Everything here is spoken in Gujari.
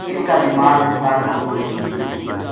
اِنھ کا بیمار ہسپتال ما پوہچ نیہہ سکتا